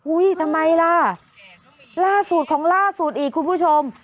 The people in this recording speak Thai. ทำไมล่ะล่าสุดของล่าสุดอีกคุณผู้ชม